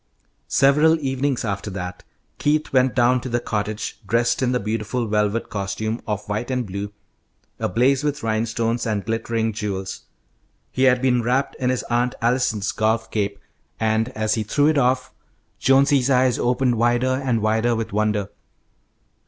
Several evenings after that, Keith went down to the cottage dressed in the beautiful velvet costume of white and blue, ablaze with rhinestones and glittering jewels. He had been wrapped in his Aunt Allison's golf cape, and, as he threw it off, Jonesy's eyes opened wider and wider with wonder.